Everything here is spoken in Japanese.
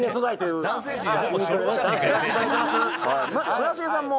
村重さんも。